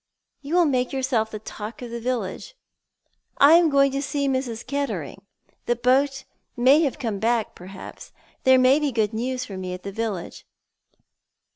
You will make yourself the talk of the village." "I am going to see Mrs. Kettering. The boat may have come back, perhaps. There may be good news for me at the village."